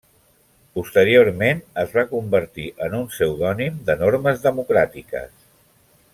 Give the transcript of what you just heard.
Posteriorment, es va convertir en un pseudònim de normes democràtiques.